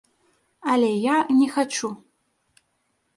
Але я не хачу!